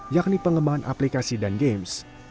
yakni pengembangan aplikasi dan games